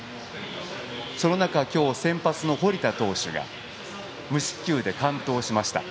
その中で今日、先発の堀田投手が無四球で完投しました。